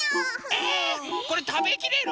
えこれたべきれる？